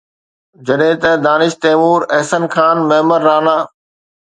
جڏهن ته دانش تيمور، احسن خان، معمر رانا